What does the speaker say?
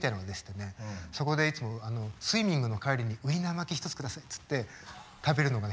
そこでいつもスイミングの帰りに「ウインナー巻き１つください」っつって食べるのがね